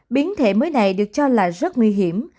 biến thể mới này được cho là rất nguy hiểm